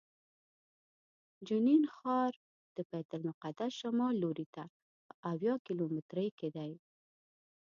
جنین ښار د بیت المقدس شمال لوري ته په اویا کیلومترۍ کې دی.